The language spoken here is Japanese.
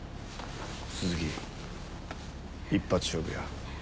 鈴木一発勝負や。